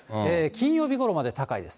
金曜日ごろまで高いです。